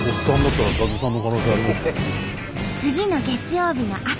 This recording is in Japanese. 次の月曜日の朝。